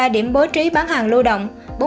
sáu trăm năm mươi ba điểm bố trí bán hàng lưu động